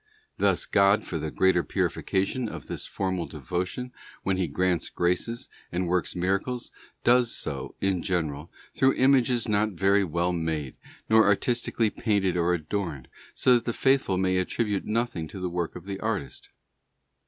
Thus God, for the greater purifi cation of this formal devotion, when He grants graces, and works miracles, does so, in general, through images not very well made, nor artistically painted or adorned, so that the —: faithful may attribute nothing to the work of the artist.